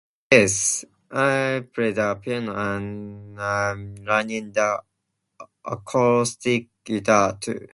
Yes, I play the piano and I'm learning the acoustic guitar, too.